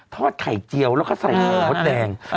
ทอดไข่เจียวแล้วก็ใส่หมดแดง